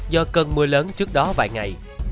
do cơn mưa lớn trước đó vài ngày